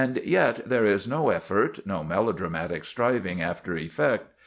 And yet, there is no effort, no melodramatic striving after effect.